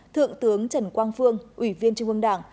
thượng tướng trần quang phương ủy viên trung ương đảng